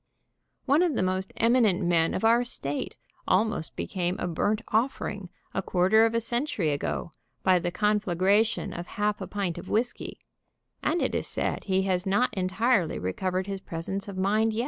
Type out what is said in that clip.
One of the most eminent men of our state almost became a burnt offering a quarter of a century ago, by the con flagration of half a pint of whisky, and it is said he has not entirely recovered his presence of mind yet.